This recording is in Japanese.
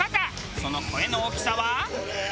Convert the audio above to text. その声の大きさは。